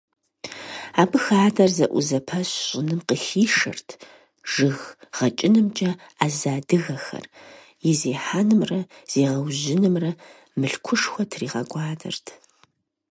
Абы хадэр зэӀузэпэщ щӀыным къыхишэрт жыг гъэкӀынымкӀэ Ӏэзэ адыгэхэр, и зехьэнымрэ зегъэужьынымрэ мылъкушхуэ тригъэкӀуадэрт.